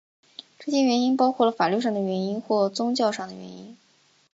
这些原因包括了法律上的原因或宗教上的原因。